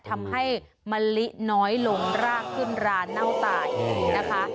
ทำให้มะลิน้อยลงรากขึ้นรานเน่าตายนะคะ